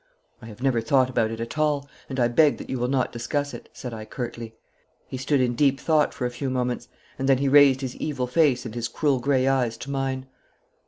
'I have never thought about it at all, and I beg that you will not discuss it,' said I curtly. He stood in deep thought for a few moments, and then he raised his evil face and his cruel grey eyes to mine.